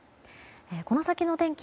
この先の天気